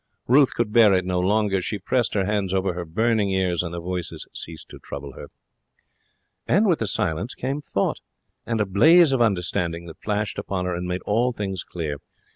Ruth could bear it no longer. She pressed her hands over her burning ears, and the voices ceased to trouble her. And with the silence came thought, and a blaze of understanding that flashed upon her and made all things clear.